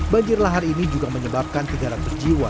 banjir lahar ini juga menyebabkan tigaran berjiwa